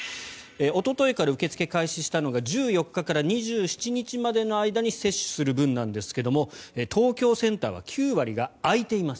おとといから受け付け開始したのが１４日から２７日までの間に接種する分なんですが東京センターは９割が空いています。